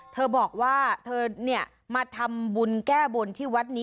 เธอบอกว่าเธอมาทำบุญแก้บนที่วัดนี้